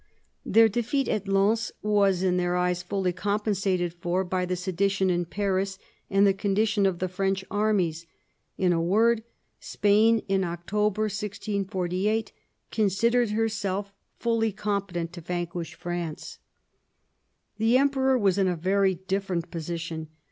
Their defeat at Lens was in their eyes fully compensated for by the sedition in Paris and the condition of the French armies. In a word, Spain in October 1648 considered herself fully competent to vanquish France. The Emperor was in a very different position.